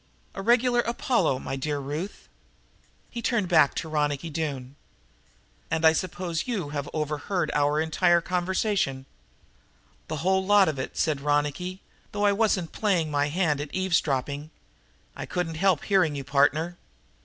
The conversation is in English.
A regular Apollo, my dear Ruth." He turned back to Ronicky Doone. "And I suppose you have overhead our entire conversation?" "The whole lot of it," said Ronicky, "though I wasn't playing my hand at eavesdropping. I couldn't help hearing you, partner."